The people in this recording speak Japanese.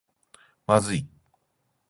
まずい